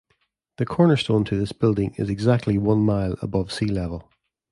The cornerstone to this building is exactly one mile above sea level.